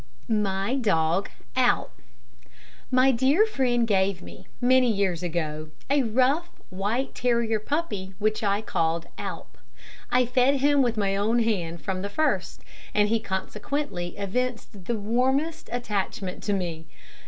MY DOG ALP. A dear friend gave me, many years ago, a rough, white terrier puppy, which I called Alp. I fed him with my own hand from the first, and he consequently evinced the warmest attachment to me.